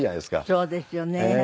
そうですよね。